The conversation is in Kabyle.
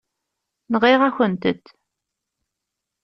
Nɣiɣ-akent-tent.